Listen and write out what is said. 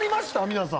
皆さん。